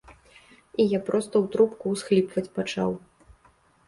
І я проста ў трубку ўсхліпваць пачаў.